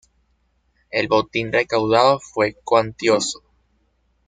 El botín recaudado fue cuantioso.